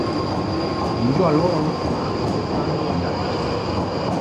Gli inviò allora un ultimatum, intimandogli la resa.